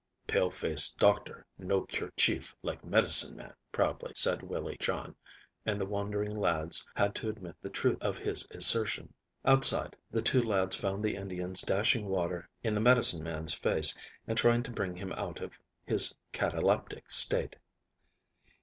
"Pale face doctor no cure chief like medicine man," proudly said Willie John, and the wondering lads had to admit the truth of his assertion. Outside the two lads found the Indians dashing water in the medicine man's face and trying to bring him out of his cataleptic state.